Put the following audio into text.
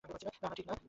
না না ঠিক আছে।